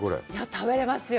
食べますよ。